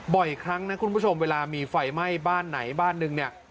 บ่อยครั้งนะคุณผู้ชมเวลามีไฟไหม้บ้านไหนบ้านนึงเนี่ย